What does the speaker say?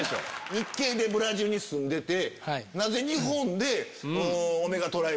日系でブラジルに住んでて。